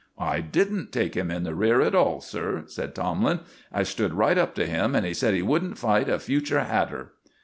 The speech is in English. "I didn't take him in the rear at all, sir," said Tomlin. "I stood right up to him, and he said he wouldn't fight a future hatter."